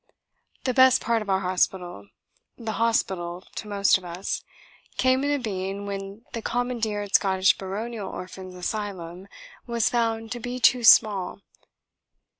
The best part of our hospital the hospital, to most of us came into being when the commandeered Scottish baronial orphans' asylum was found to be too small.